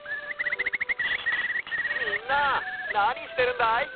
みんななにしてるんだい？